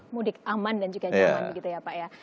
mudik aman dan juga nyaman begitu ya pak ya